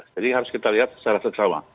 jadi harus kita lihat secara tersama